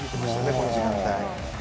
この時間帯。